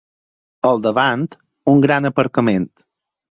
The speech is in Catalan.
Al davant un gran aparcament.